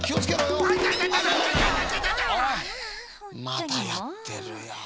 またやってるよ。